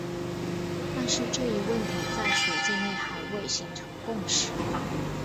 但是这一问题在学界内还未形成共识。